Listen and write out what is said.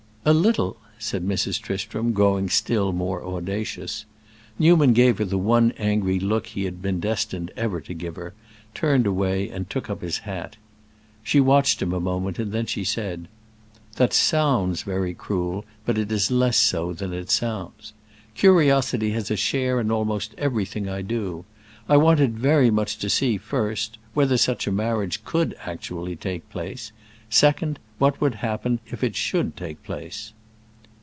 "A little," said Mrs. Tristram, growing still more audacious. Newman gave her the one angry look he had been destined ever to give her, turned away and took up his hat. She watched him a moment, and then she said, "That sounds very cruel, but it is less so than it sounds. Curiosity has a share in almost everything I do. I wanted very much to see, first, whether such a marriage could actually take place; second, what would happen if it should take place."